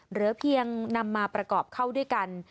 เหลือเพียงนำมาประกอบเข้าด้วยกัน